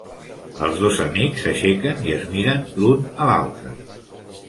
Els dos amics s'aixequen i es miren l'un a l'altre.